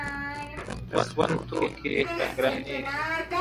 And I didn't have a video camera, like Ricky does...